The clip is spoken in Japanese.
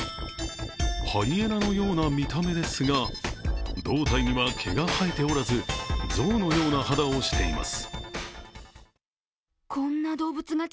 ハイエナのような見た目ですが胴体には毛が生えておらずゾウのような肌をしています。